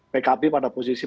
pkb pada posisi